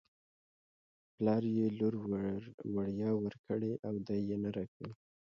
پلار یې لور وړيا ورکړې او دی یې نه راکوي.